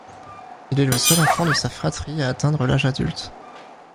Il est le seul enfant de sa fratrie à atteindre l'âge adulte.